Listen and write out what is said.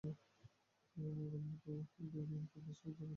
তবে কাঁকড়ার মত ডিনার পেতে এটা সহ্য করা যায়।